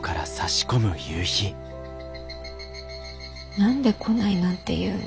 何で「来ない」なんて言うの？